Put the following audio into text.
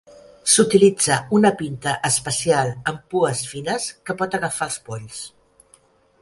S'utilitza una pinta especial amb pues fines que pot agafar els polls.